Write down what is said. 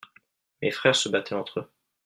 Mes frères se battaient entre-eux.